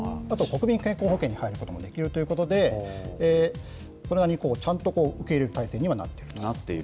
あと国民健康保険に入ることもできるということで、これがちゃんと受け入れる態勢にはなっている。